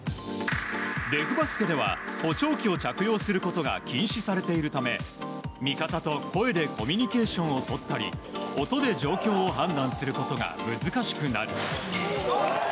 デフバスケでは補聴器を着用することが禁止されているため味方と声でコミュニケーションをとったり音で状況を判断することが難しくなる。